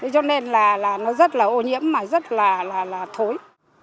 cho nên là nó rất là ô nhiễm mà rất là thối